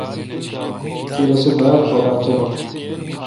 تو رسے ڈاگ پواٹا تلون۔